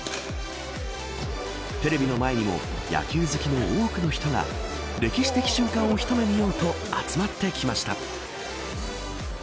テレビの前にも野球好きの多くの人が歴史的瞬間を一目見ようと集まってきました。